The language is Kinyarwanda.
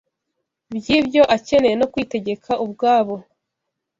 by’ibyo akeneye no kwitegeka ubwabo